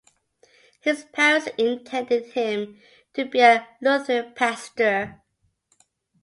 His parents intended him to be a Lutheran pastor.